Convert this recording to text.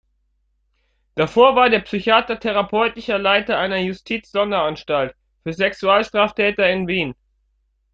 Davor war der Psychiater therapeutischer Leiter einer Justiz-Sonderanstalt für Sexualstraftäter in Wien.